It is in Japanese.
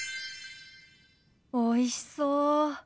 おいしそう。